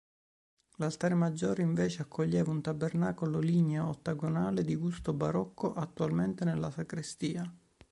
L'altare maggiore, invece, accoglieva un tabernacolo ligneo ottagonale di gusto barocco, attualmente nella sacrestia.